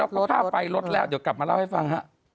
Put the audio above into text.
เราก็ผ้าไปลดแล้วเดี๋ยวกลับมาเล่าให้ฟัง